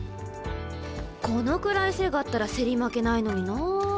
このくらい背があったら競り負けないのになあ。